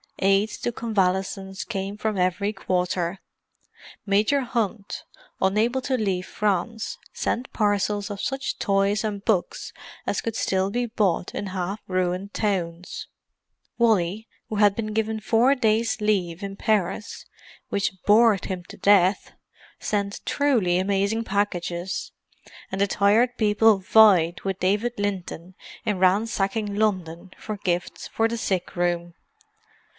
Aids to convalescence came from every quarter. Major Hunt, unable to leave France, sent parcels of such toys and books as could still be bought in half ruined towns. Wally, who had been given four days' leave in Paris—which bored him to death—sent truly amazing packages, and the Tired People vied with David Linton in ransacking London for gifts for the sick room.